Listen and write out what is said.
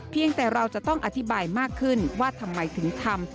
เพียงแต่เราจะต้องอธิบายมากขึ้นว่าทำไมถึงทำ